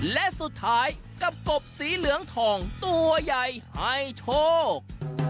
และสุดท้ายกับกบสีเหลืองทองตัวใหญ่ให้โชค